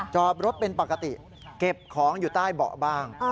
จอดรถเป็นปกติเก็บของอยู่ใต้เบาะบ้าง